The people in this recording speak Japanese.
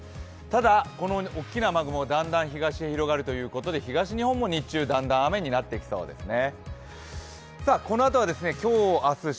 ただ、この大きな雨雲がだんだん東側に広がるということで東日本も日中、だんだん雨になってきそうですね。